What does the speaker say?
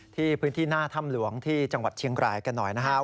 ที่พื้นที่หน้าถ้ำหลวงที่จังหวัดเชียงรายกันหน่อยนะครับ